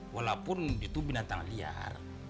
walaupun itu binatang liar